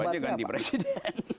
ya obatnya ganti presiden